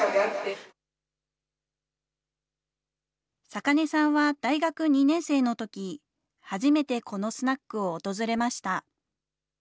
坂根さんは大学２年生のとき、初めてこのスナックを訪れました。